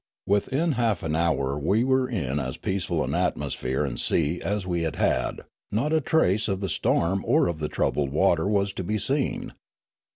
Within half an hour we were in as peaceful an atmosphere and sea as we had had ; not a trace of the storm or of the troubled water was to be seen.